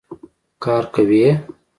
کار کوي